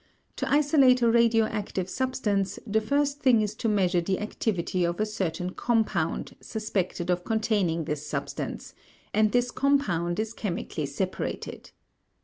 To isolate a radioactive substance, the first thing is to measure the activity of a certain compound suspected of containing this substance, and this compound is chemically separated.